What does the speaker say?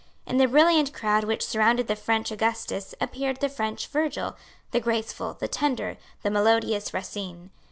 In the brilliant crowd which surrounded the French Augustus appeared the French Virgil, the graceful, the tender, the melodious Racine.